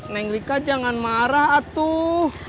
neng rika jangan marah atuh